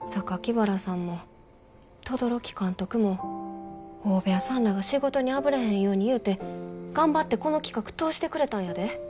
原さんも轟監督も大部屋さんらが仕事にあぶれへんようにいうて頑張ってこの企画通してくれたんやで。